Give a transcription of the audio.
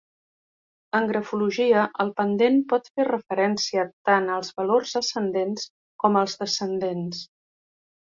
En grafologia, el pendent pot fer referència tants als valors ascendents com als descendents.